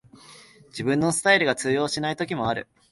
自分のスタイルが通用しない時もある